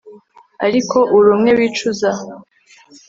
ariko uri umwe wicuza